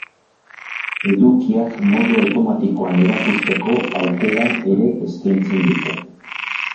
Edukiak modu automatikoan erakusteko aukera ere eskaintzen dute.